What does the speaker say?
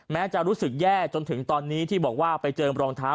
จะรู้สึกแย่จนถึงตอนนี้ที่บอกว่าไปเจอรองเท้า